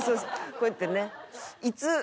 こうやってね。